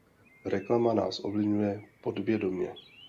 Reklama nás ovlivňuje podvědomě.